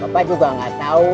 bapak juga gak tau